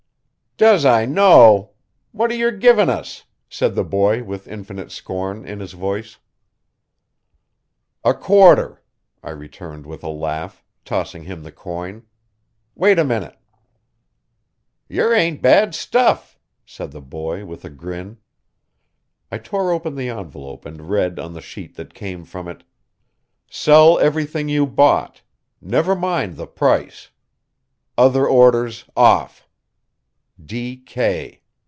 "Does I know what are yer givin' us?" said the boy with infinite scorn in his voice. "A quarter," I returned with a laugh, tossing him the coin. "Wait a minute." "Yer ain't bad stuff," said the boy with a grin. I tore open the envelope and read on the sheet that came from it: "Sell everything you bought never mind the price. Other orders off.